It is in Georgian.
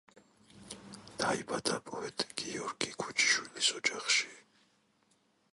დაიბადა პოეტ გიორგი ქუჩიშვილის ოჯახში.